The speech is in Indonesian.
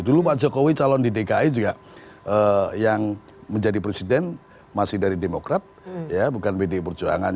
dulu pak jokowi calon di dki juga yang menjadi presiden masih dari demokrat ya bukan bdi perjuangan